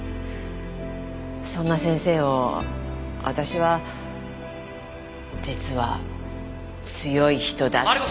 そんな先生を私は実は強い人だって。